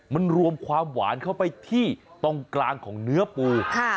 มันรวมความหวานเข้าไปที่ตรงกลางของเนื้อปู